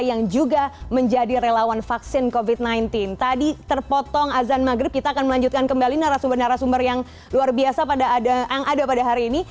yang ada pada hari ini